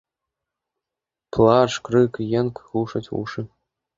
Плач, крык, енк глушаць вушы.